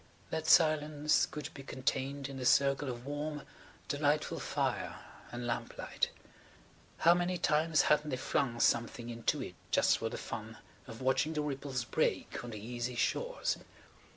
That silence could be contained in the circle of warm, delightful fire and lamplight. How many times hadn't they flung something into it just for the fun of watching the ripples break on the easy shores.